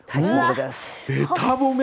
べた褒め！